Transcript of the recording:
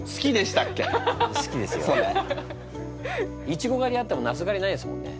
いちご狩りあってもなす狩りないですもんね。